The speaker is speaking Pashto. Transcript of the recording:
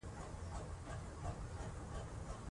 د ده له لیکنو څخه درس واخلو.